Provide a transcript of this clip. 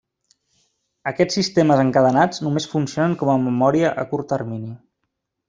Aquests sistemes encadenats només funcionen com a memòria a curt termini.